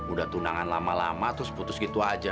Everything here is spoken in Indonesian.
udah tunangan lama lama terus putus gitu aja